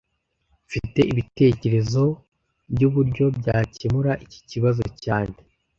Mfite ibitekerezo byuburyo byakemura iki kibazo cyane